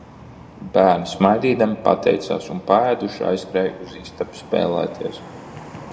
Bērni smaidīdami pateicās un paēduši aizskrēja uz istabu spēlēties.